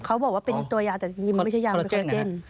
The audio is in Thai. เขาบอกว่าเป็นตัวยาแต่มันไม่ใช่ยาเป็นคอลลาเจน